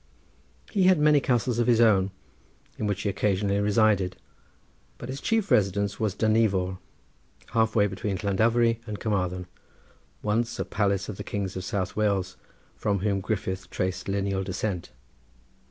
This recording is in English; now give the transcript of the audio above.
He had many castles of his own, in which he occasionally resided, but his chief residence was Dinevor, half way between Llandovery and Carmarthen, once a palace of the kings of South Wales, from whom Griffith traced lineal descent.